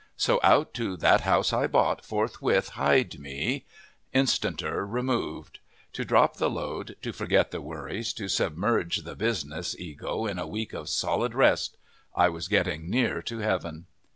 So out to That House I Bought forthwith hied me instanter removed. To drop the load, to forget the worries, to submerge the business ego in a week of solid rest! I was getting near to Heaven.